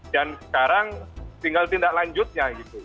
dan sekarang tinggal tindak lanjutnya gitu